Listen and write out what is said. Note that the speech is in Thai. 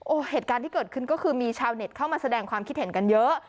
โอ้โหเหตุการณ์ที่เกิดขึ้นก็คือมีชาวเน็ตเข้ามาแสดงความคิดเห็นกันเยอะ